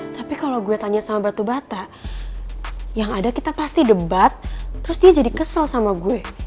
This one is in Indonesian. tapi kalau gue tanya sama batu bata yang ada kita pasti debat terus dia jadi kesel sama gue